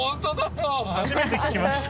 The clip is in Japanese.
初めて聞きました。